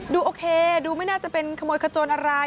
ดูโอเคดูไม่น่าจะเป็นขโมยขจนอะไร